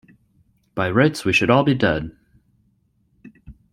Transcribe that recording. By rights, we should all be dead!